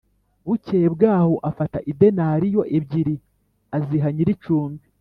Bukeye bwaho afata idenariyo ebyiri aziha nyir icumbi